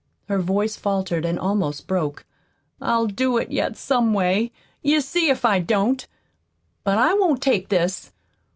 Her voice faltered, and almost broke. "I'll do it yet some way, you see if I don't. But I won't take this.